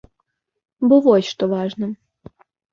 Бо вось што важна.